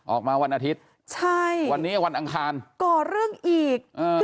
วันอาทิตย์ใช่วันนี้วันอังคารก่อเรื่องอีกเออ